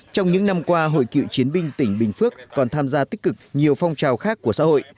trong những năm qua hội cựu chiến binh tỉnh bình phước còn tham gia tích cực nhiều phong trào khác của xã hội